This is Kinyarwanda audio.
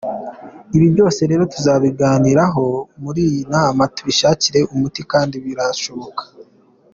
Ibi byose rero tuzabiganiraho muri iyi nama tubishakire umuti kandi birashoboka.